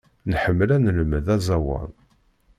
Nḥemmel ad nelmed aẓawan.